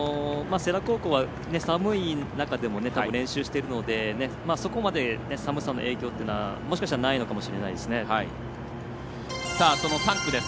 世羅高校は寒い中でも練習しているのでそこまで寒さの影響というのはもしかしたらその３区です。